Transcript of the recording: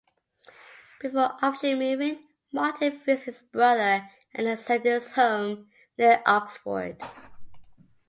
Before officially moving, Martin visits his brother Alexander's home near Oxford.